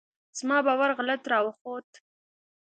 زما باور غلط راوخوت.